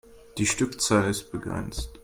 Die Stückzahl ist begrenzt.